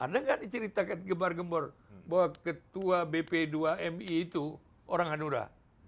ada nggak diceritakan gemar gembor bahwa ketua bp dua mi itu orang hanura